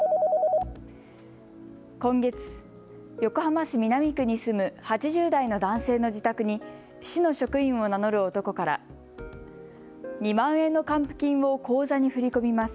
今月、横浜市南区に住む８０代の男性の自宅に市の職員を名乗る男から２万円の還付金を口座に振り込みます。